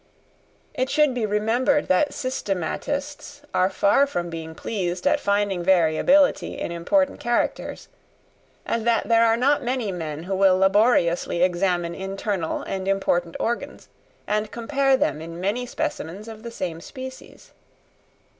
It should be remembered that systematists are far from being pleased at finding variability in important characters, and that there are not many men who will laboriously examine internal and important organs, and compare them in many specimens of the same species.